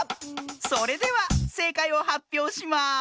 それではせいかいをはっぴょうします。